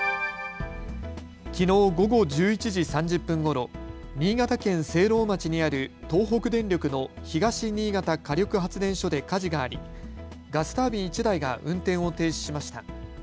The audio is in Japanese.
きのう午後１１時３０分ごろ新潟県聖籠町にある東北電力の東新潟火力発電所で火事がありガスタービン１台が運転を停止しました。